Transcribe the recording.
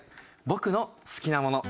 「僕の好きなもの」。